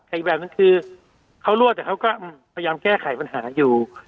แต่อีกแบบนึงคือเขารั่วแต่เขาก็พยายามแก้ไขปัญหาอยู่